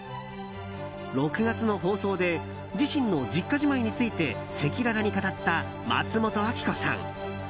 ６月の放送で自身の実家じまいについて赤裸々に語った松本明子さん。